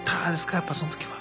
やっぱその時は。